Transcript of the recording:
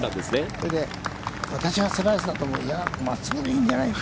それで、私はスライスだと思う、いや、まっすぐでいいんじゃない？って。